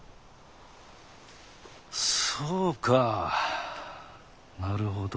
そうかなるほど。